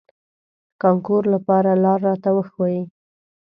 کانکور لپاره لار راته وښوئ.